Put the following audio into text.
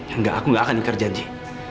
enggak aku gak akan ikar janji